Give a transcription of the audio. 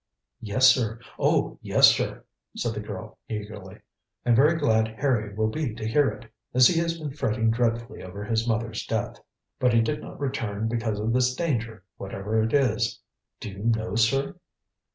"Yes, sir; oh, yes, sir!" said the girl eagerly; "and very glad Harry will be to hear it, as he has been fretting dreadfully over his mother's death. But he did not return because of this danger, whatever it is. Do you know, sir?"